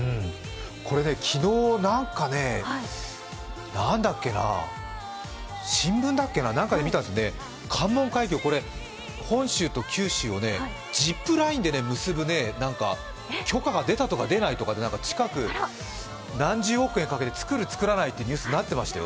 これ、昨日、何だっけな新聞だっけな、何かで見たんですよね、関門橋、本州と九州をジップラインで結ぶ許可が出たとか何とか、近く、何十億円かけて作る、作らないとニュースになっていましたよ。